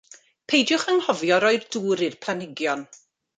Peidiwch anghofio rhoi dŵr i'r planhigion.